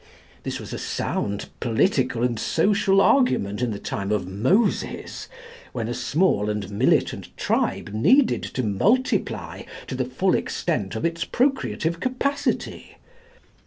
This was a sound political and social argument in the time of Moses, when a small and militant tribe needed to multiply to the full extent of its procreative capacity.